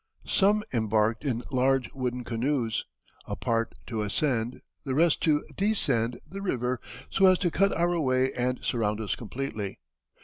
Some embarked in large wooden canoes, a part to ascend, the rest to descend, the river, so as to cut our way and surround us completely.